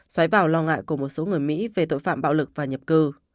xoáy vào lo ngại của một số người mỹ về tội phạm bạo lực và nhập cư